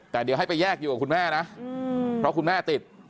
แต่เดี๋ยวให้ไปแยกอยู่กับคุณแม่นะเพราะคุณแม่ติด